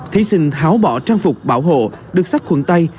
thí sinh tháo bỏ trang phục bảo hộ được sắt khuẩn tay